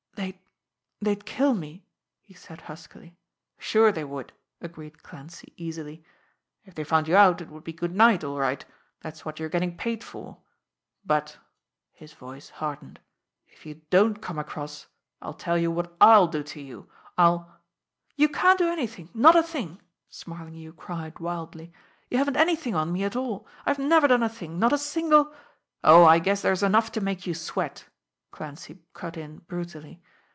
"They'd they'd kill me," he said huskily. "Sure, they would!" agreed Clancy easily. "If they found you out it would be good night, all right that's what you're getting paid for. But" his voice hardened "if you don't come across, I'll tell you what I'll do to you. I'll " "You can't do anything! Not a thing!" Smarlinghue cried wildly. "You haven't anything on me at all. I've never done a thing, not a single " "Oh, I guess there's enough to make you sweat," Clancy cut in brutally.